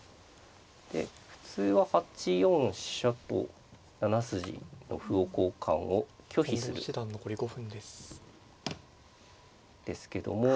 で普通は８四飛車と７筋の歩を交換を拒否するんですけども。